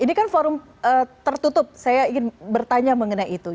ini kan forum tertutup saya ingin bertanya mengenai itu